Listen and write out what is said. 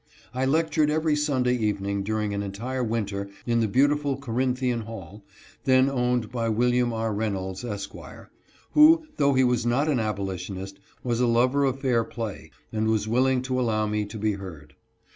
I lectured every Sunday evening during an entire winter in the beautiful Corinthian Hall, then owned by Wm. R. Reynolds, Esq., who, though he was not an abolitionist, was a lover of fair play, and was willing to allow me to be heard.